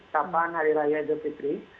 kapan hari raya idul fitri